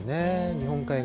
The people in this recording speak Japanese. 日本海側。